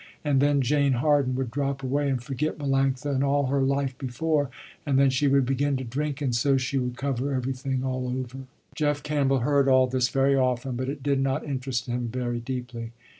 And then Jane Harden would drop away and forget Melanctha and all her life before, and then she would begin to drink and so she would cover everything all over. Jeff Campbell heard all this very often, but it did not interest him very deeply.